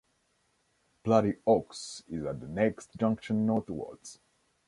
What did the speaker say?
Bloody Oaks is at the next junction northwards.